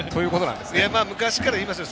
昔から言いますよね。